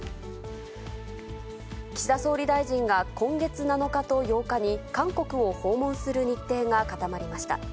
岸田総理大臣が今月７日と８日に、韓国を訪問する日程が固まりました。